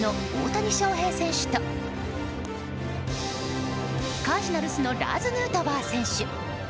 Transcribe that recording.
エンゼルスの大谷翔平選手とカージナルスのラーズ・ヌートバー選手。